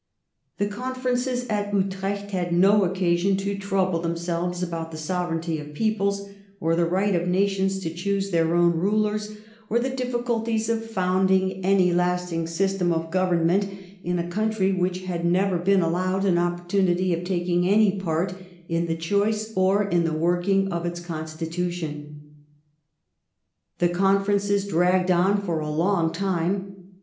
The conferences at Utrecht had no occasion to trouble themselves about the sovereignty of peoples, or the right of nations to choose their own rulers, or 128 THE REIGN OF QUEEN ANNE. ch. xxvii. the diflSculties of founding any lasting system of government in a country which had never been allowed an opportunity of taking any part in the choice or in the working of its constitution. The conferences dragged on for a long time.